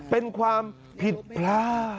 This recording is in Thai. เป็นความผิดพระ